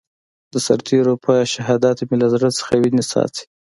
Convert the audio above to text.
د سرتېرو په شهادت مې له زړه څخه وينې څاڅي.